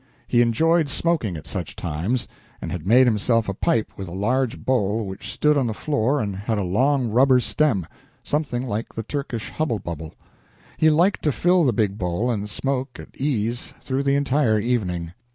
He enjoyed smoking at such times, and had made himself a pipe with a large bowl which stood on the floor and had a long rubber stem, something like the Turkish hubble bubble. He liked to fill the big bowl and smoke at ease through the entire evening.